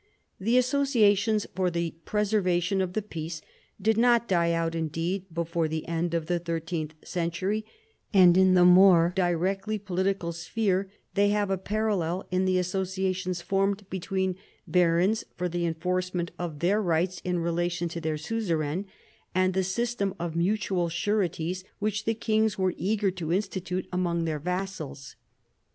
The associations for the preservation of the peace did not die out indeed before the end of the thirteenth century, and in the more directly political sphere they have a parallel in the associations formed between barons for the enforcement of their rights in relation to their suzerain, and the system of mutual sureties which the kings were eager to institute among their vassals.